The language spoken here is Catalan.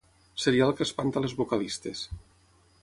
Serial que espanta les vocalistes.